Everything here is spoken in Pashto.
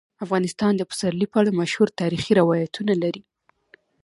افغانستان د پسرلی په اړه مشهور تاریخی روایتونه لري.